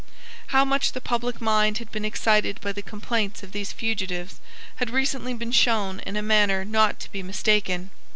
How much the public mind had been excited by the complaints of these fugitives had recently been shown in a manner not to be mistaken.